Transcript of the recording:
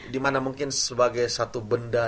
dimana mungkin sebagai satu benda